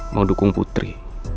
mau dukung putri